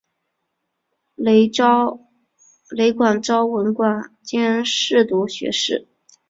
累官昭文馆兼侍读学士。